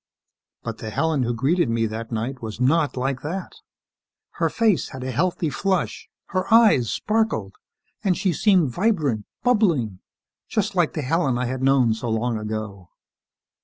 But the Helen who greeted me that night was not like that. Her face had a healthy flush, her eyes sparkled and she seemed vibrant, bubbling ... just like the Helen I had known so long ago.